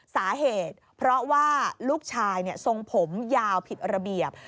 สาเหตุเพราะว่าลูกชายทรงผมยาวผิดระเบียบ